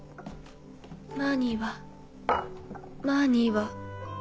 マーニーはマーニーは。